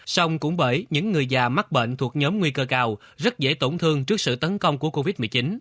xong cũng bởi những người già mắc bệnh thuộc nhóm nguy cơ cao rất dễ tổn thương trước sự tấn công của covid một mươi chín